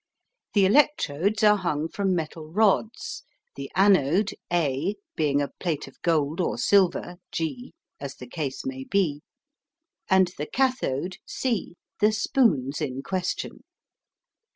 The electrodes are hung from metal rods, the anode A being a plate of gold or silver G, as the case may be, and the cathode C the spoons in question.